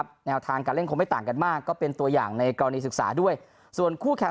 แนวทางการเล่นคงไม่ต่างกันมากก็เป็นตัวอย่างในกรณีศึกษาด้วยส่วนคู่แข่ง